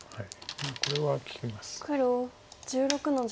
これは利きます。